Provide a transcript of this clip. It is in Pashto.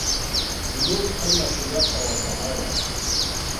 پیلوټ خپل مسؤولیت ته وفادار وي.